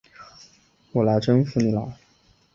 我来征服你了！